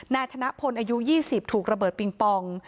ธนพลอายุ๒๐ถูกระเบิดปิงปอง